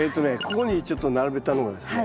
ここにちょっと並べたのはですね